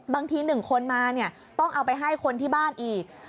๑คนมาเนี่ยต้องเอาไปให้คนที่บ้านอีก